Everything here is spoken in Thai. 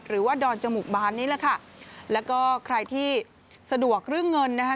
หรือว่าดอนจมูกบานนี่แหละค่ะแล้วก็ใครที่สะดวกเรื่องเงินนะคะ